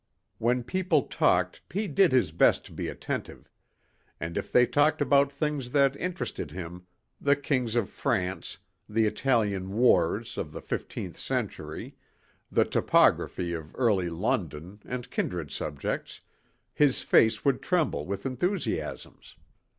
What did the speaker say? When people talked he did his best to be attentive. And if they talked about things that interested him the Kings of France, the Italian wars of the fifteenth century, the topography of early London and kindred subjects his face would tremble with enthusiasms.